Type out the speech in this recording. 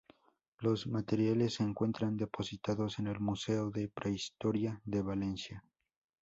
Los materiales se encuentran depositados en el Museo de Prehistoria de Valencia.